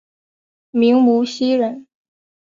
明无锡人。